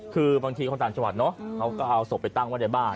คือบางทีคนต่างจังหวัดเนอะเขาก็เอาศพไปตั้งไว้ในบ้าน